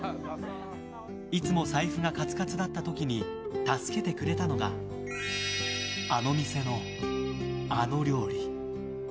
いつも財布がカツカツだった時に助けてくれたのがあの店の、あの料理。